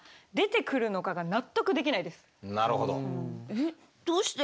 えっどうして？